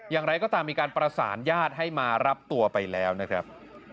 อย่างไรก็ตามมีการประสานญาติให้มารับตัวไปแล้วนะครับ